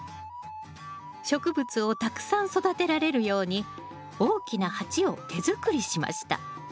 植物をたくさん育てられるように大きな鉢を手作りしました。